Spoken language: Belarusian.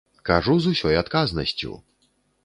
Кажу з усёй адказнасцю!